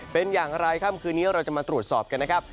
เป็นอย่างไรค่ำคืนนี้เราจะมาตรวจสอบกันนะครับ